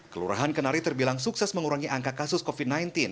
kelurahan kenari terbilang sukses mengurangi angka kasus covid sembilan belas